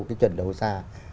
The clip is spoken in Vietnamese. cái chuẩn đầu ra